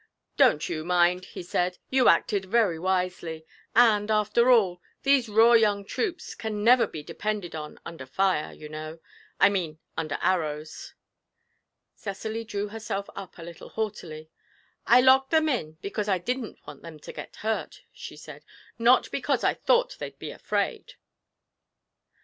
'Don't you mind,' he said, 'you acted very wisely. And, after all, these raw young troops can never be depended on under fire, you know I mean, under arrows.' Cecily drew herself up a little haughtily. 'I locked them in because I didn't want them to get hurt,' she said, 'not because I thought they'd be afraid.'